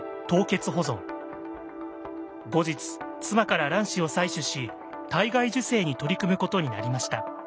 後日妻から卵子を採取し体外受精に取り組むことになりました。